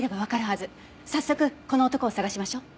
早速この男を捜しましょう。